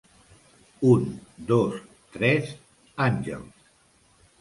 Un, dos, tres, Àngels!